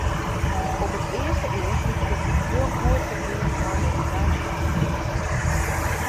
Op it earste each liket it heel goed te gean mei de deiblêden.